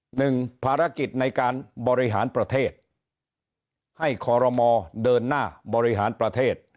หนึ่งภารกิจในการบริหารประเทศให้คอรมอเดินหน้าบริหารประเทศ